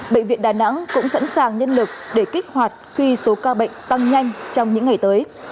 bệnh viện đà nẵng cũng sẵn sàng nhân lực để kích hoạt khi số ca bệnh tăng nhanh trong những ngày tới